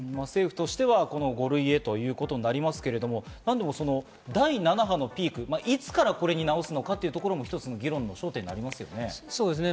政府としては５類へということになりますが、第７波のピーク、いつからこれに直すのかというのも議論の焦点になりますよね。